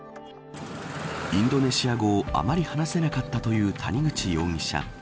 インドネシア語をあまり話さなかったという谷口容疑者。